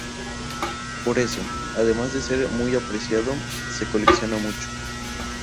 Por eso, además de ser muy apreciado, se colecciona mucho.